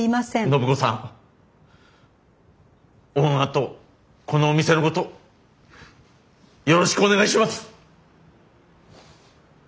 暢子さんオーナーとこのお店のことよろしくお願いします。